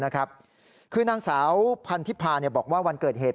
คือนางสาวพันธิพาบอกว่าวันเกิดเหตุ